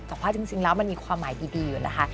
แต่ว่าจริงแล้วมันมีความหมายดีอยู่นะคะ